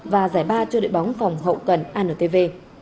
và giải ba cho đội bóng phòng hậu cần antv